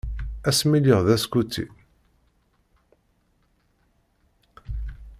Ass mi lliɣ d askuti.